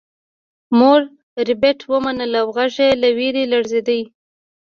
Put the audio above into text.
مور ربیټ ومنله او غږ یې له ویرې لړزیده